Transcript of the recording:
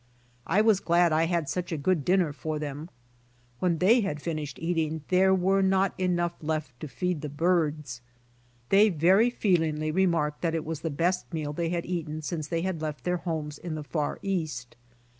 I was glad I had such a good dinner for them. When they had finished eating there was not enough left to feed the birds. They very feelingly remarked that it was the best meal they had eaten since they had left their homes in the far East.